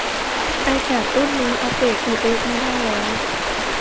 ไอแพดรุ่นนี้อัปเดตโอเอสไม่ได้แล้ว